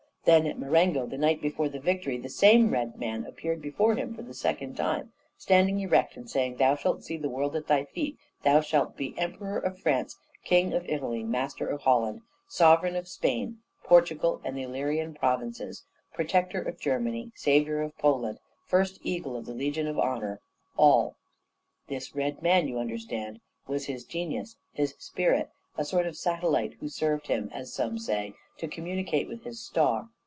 Then, at Marengo, the night before the victory, the same Red Man appeared before him for the second time, standing erect and saying: 'Thou shalt see the world at thy feet; thou shalt be Emperor of France, King of Italy, master of Holland, sovereign of Spain, Portugal, and the Illyrian provinces, protector of Germany, saviour of Poland, first eagle of the Legion of Honour all.' This Red Man, you understand, was his genius, his spirit a sort of satellite who served him, as some say, to communicate with his star.